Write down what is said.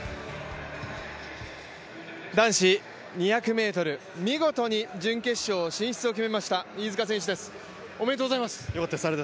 男子２００ｍ、見事に準決勝進出を決めました飯塚選手です、おめでとうございます。